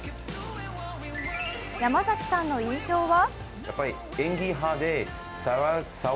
山崎さんの印象は？